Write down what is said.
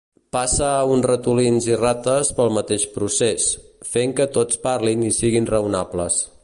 Passa uns ratolins i rates pel mateix procés, fent que tots parlin i siguin raonables.